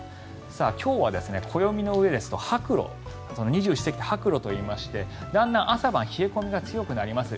今日は暦のうえですと白露二十四節気で白露と言いましてだんだん朝晩冷え込みが強くなります。